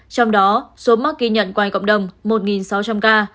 trong đó số mắc ghi nhận qua cộng đồng một sáu trăm linh ca